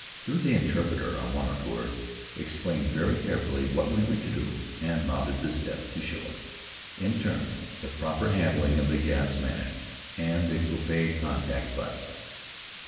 Through the interpreter, our moniteur explained very carefully what we were to do, and mounted the step, to show us, in turn, the proper handling of the gas manet and of the coupe contact button.